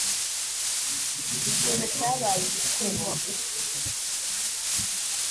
ikintu cyabaye igisebo!